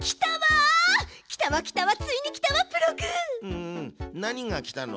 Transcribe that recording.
うんうん何が来たの？